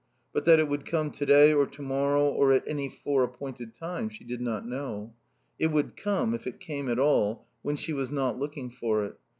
But that it would come today or to morrow or at any fore appointed time she did not know. It would come, if it came at all, when she was not looking for it.